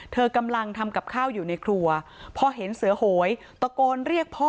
เธอกำลังทำกับข้าวอยู่ในครัวพอเห็นเสือโหยตะโกนเรียกพ่อ